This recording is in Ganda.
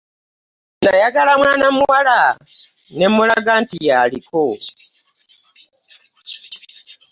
Nayagala mwanamuwala ne mmulaga nti y'aliko.